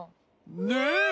ねえ！